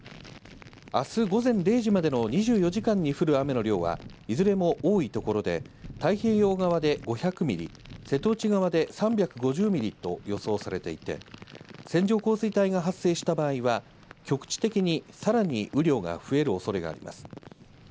あす午前０時までの２４時間に降る雨の量は、いずれも多い所で太平洋側で５００ミリ、瀬戸内側で３５０ミリと予想されていて線状降水帯が発生した場合は、局地的にさらに雨量が増えるおそれがあります。